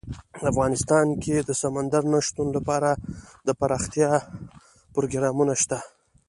افغانستان کې د سمندر نه شتون لپاره دپرمختیا پروګرامونه شته.